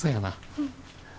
うん。